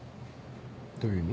どういう意味？